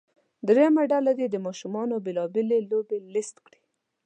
دریمه ډله دې د ماشومانو بیلا بېلې لوبې لیست کړي.